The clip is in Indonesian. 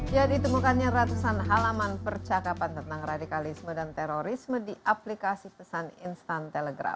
ya ditemukannya ratusan halaman percakapan tentang radikalisme dan terorisme di aplikasi pesan instan telegram